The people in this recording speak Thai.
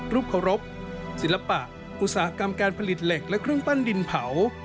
เคารพศิลปะอุตสาหกรรมการผลิตเหล็กและเครื่องปั้นดินเผา